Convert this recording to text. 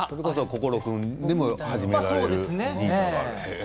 心君でも始められるＮＩＳＡがある。